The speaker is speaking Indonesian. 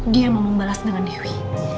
dia mau membalas dengan dewi